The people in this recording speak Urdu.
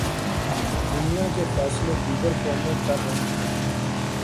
دنیا کے فیصلے دیگر قومیں کررہی ہیں۔